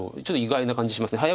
ちょっと意外な感じします。